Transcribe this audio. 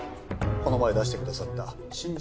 この前出してくださった。